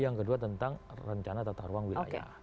yang kedua tentang rencana tata ruang wilayah